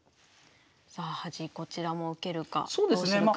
さあ端こちらも受けるかそうですね。